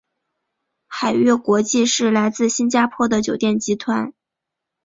海悦国际是来自新加坡的酒店集团。